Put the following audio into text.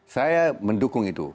saya mendukung itu